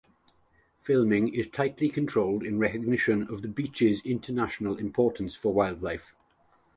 Filming is tightly controlled in recognition of the Beeches' international importance for wildlife.